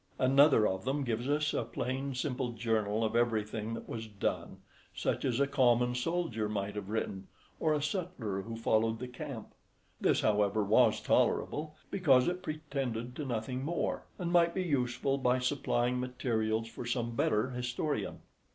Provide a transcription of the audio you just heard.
Another of them gives us a plain simple journal of everything that was done, such as a common soldier might have written, or a sutler who followed the camp. This, however, was tolerable, because it pretended to nothing more; and might be useful by supplying materials for some better historian.